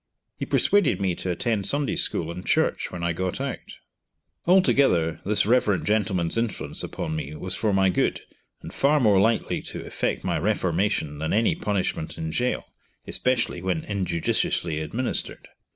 He persuaded me to attend Sunday school and church when I got out. Altogether this Rev. gentleman's influence upon me was for my good, and far more likely to effect my reformation than any punishment in gaol, especially when injudiciously administered.